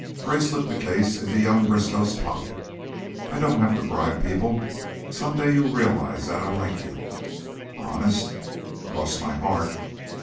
Gray slipped the case into young Briskow's pocket. "I don't have to bribe people. Some day you'll realize that I like you." "Honest?" "Cross my heart."